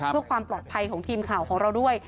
เพื่อความปลอดภัยของทีมข่าวของเราด้วย